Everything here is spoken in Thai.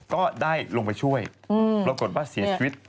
ก็ได้ลงไปช่วยปรากฏว่าเสียชีวิต